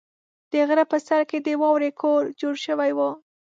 د غره په سر کې د واورې کور جوړ شوی و.